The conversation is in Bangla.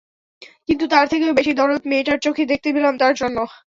কিন্তু তার থেকেও বেশি দরদ মেয়েটার চোখে দেখতে পেলাম তার জন্য।